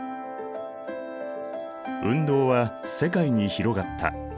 運動は世界に広がった。